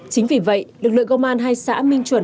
chính vì vậy lực lượng công an hai xã minh chuẩn